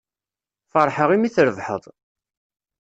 Ferḥeɣ imi trebḥeḍ.